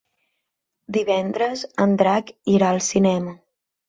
Divendres en Drac irà al cinema.